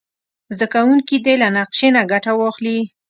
زده کوونکي دې له نقشې نه ګټه واخلي.